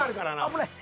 危ない。